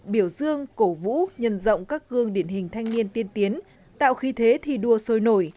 biểu dương cổ vũ nhân rộng các gương điển hình thanh niên tiên tiến tạo khí thế thi đua sôi nổi